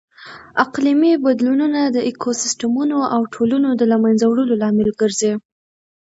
اقلیمي بدلونونه د ایکوسیسټمونو او ټولنو د لهمنځه وړلو لامل ګرځي.